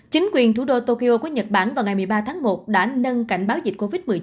chính quyền thủ đô tokyo của nhật bản vào ngày một mươi ba tháng một đã nâng cảnh báo dịch covid một mươi chín